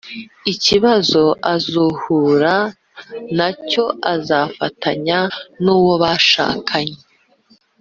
ikibazo azahura na cyo azafatanya n’uwo bashakanye